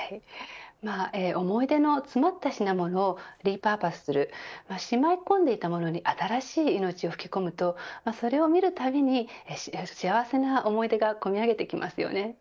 思い出の詰まった品物をリ・パーパスするしまい込んでいたものに新しい命を吹き込むとそれを見るたびに幸せな思い出がこみ上げてきますよね。